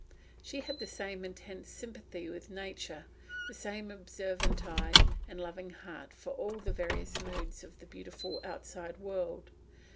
She had the same intense sympathy with nature, the same observant eye and loving heart for all the various moods of the beautiful outside world.